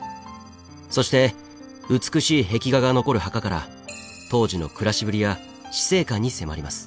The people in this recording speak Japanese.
そして美しい壁画が残る墓から当時の暮らしぶりや死生観に迫ります。